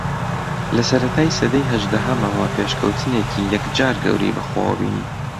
لە سەرەتای سەدەی ھەژدەھەمەوە پێشکەوتنێکی یەکجار گەورەی بەخۆوە بینی